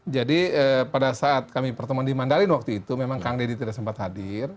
jadi pada saat kami bertemu di mandalin waktu itu memang kang deddy tidak sempat hadir